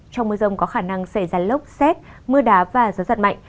trong mưa rông có khả năng xảy ra lốc xét mưa đá và gió giật mạnh